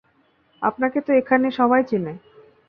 আপনাকে তো এখানে সবাই চেনে।